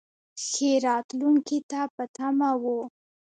ښې راتلونکې ته په تمه و.